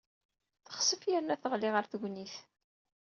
Texsef yerna teɣli ɣer tegnit.